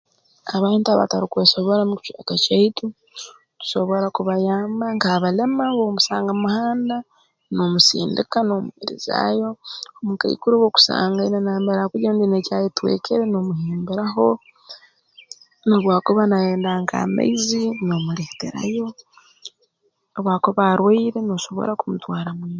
Abantu abatarukwesobora mu kicweka kyaitu tusobora kubayamba nk'abalema obu omusanga mu muhanda noomusindika nomwirizaayo omukaikuru obu okusanga aine nambere akugya rundi aine eki ayetwekere noomuhimbiraho n'obu akuba nayenda nk'amaizi nomuleeterayo obu akuba arwaire noosobora kumutwara mu i